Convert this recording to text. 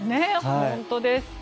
本当です。